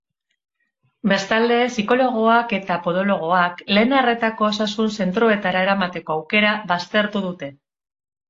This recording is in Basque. Bestalde, psikologoak eta podologoak lehen arretako osasun zentroetara eramateko aukera baztertu dute.